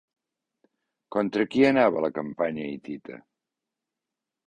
Contra qui anava la campanya hitita?